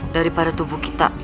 daripada tubuh kita